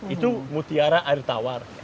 itu mutiara air tawar